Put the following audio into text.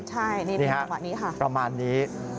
ใช่นี่ค่ะประมาณนี้ค่ะประมาณนี้นี่ค่ะ